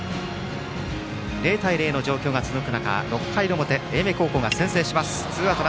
０対０の状況が続く中６回の表英明高校が先制します。